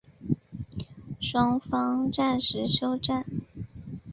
双方暂时休战。